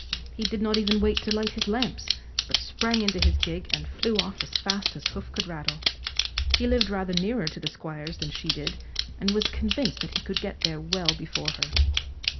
He did not even wait to light his lamps, but sprang into his gig and flew off as fast as hoof could rattle. He lived rather nearer to the Squire's than she did, and was convinced that he could get there well before her.